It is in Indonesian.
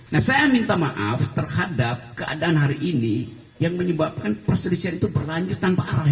nah saya minta maaf terhadap keadaan hari ini yang menyebabkan perselisihan itu berlanjut tanpa arah